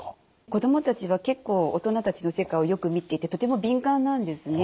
子どもたちは結構大人たちの世界をよく見ていてとても敏感なんですね。